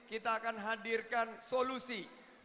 demikian juga ada kawan kawan yang hadir di makassar siang ini